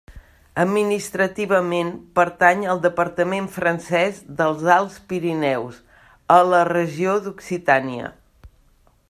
Administrativament pertany al departament francès dels Alts Pirineus, a la regió d'Occitània.